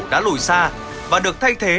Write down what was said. đã lùi xa và được thay thế